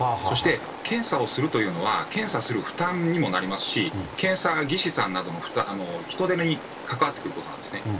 そして検査をするというのは、検査する負担にもなりますし、検査技師さんなどの人手に関わってくることなんですね。